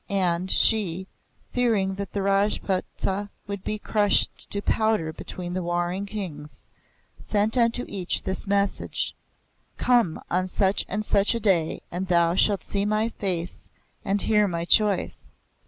And, she, fearing that the Rajputs would be crushed to powder between the warring Kings, sent unto each this message: 'Come on such and such a day, and thou shalt see my face and hear my choice.